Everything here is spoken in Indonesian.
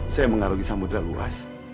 saya mengarungi samudera luar